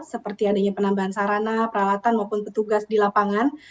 seperti adanya penambahan sarana peralatan maupun petugas di lapangan